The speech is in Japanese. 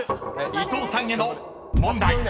伊藤さんへの問題］